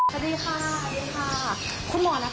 สวัสดีค่ะสวัสดีค่ะคุณหมอและ